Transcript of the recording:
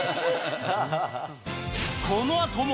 このあとも。